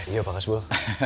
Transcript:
iya pak kasbul